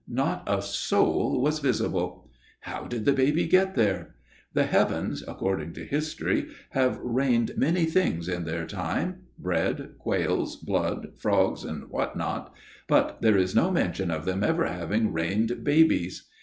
Not a soul was visible. How did the baby get there? The heavens, according to history, have rained many things in their time: bread, quails, blood, frogs, and what not; but there is no mention of them ever having rained babies.